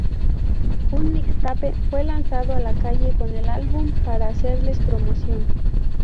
Un mixtape fue lanzado a la calle con el álbum para hacerle promoción.